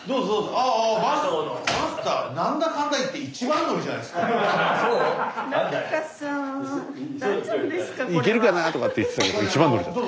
ああスタジオ行けるかな？とかって言ってたけど一番乗りだった。